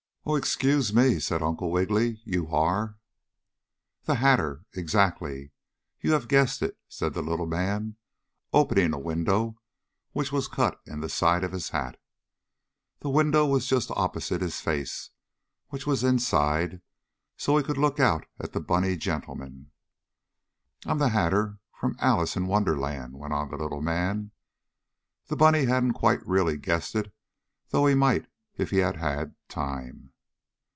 "Oh, excuse me," said Uncle Wiggily. "You are " "The Hatter! Exactly! You have guessed it," said the little man, opening a window which was cut in the side of his hat. The window was just opposite his face, which was inside, so he could look out at the bunny gentleman. "I'm the Hatter, from 'Alice in Wonderland,'" went on the little man. The bunny hadn't quite really guessed it, though he might if he had had time.